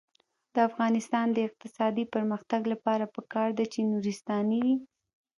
د افغانستان د اقتصادي پرمختګ لپاره پکار ده چې نورستاني وي.